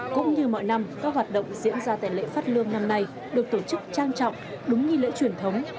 cũng như mọi năm các hoạt động diễn ra tại lễ phát lương năm nay được tổ chức trang trọng đúng nghi lễ truyền thống